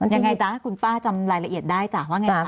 ยังไงจ๊ะคุณป้าจำรายละเอียดได้จ้ะว่าไงคะ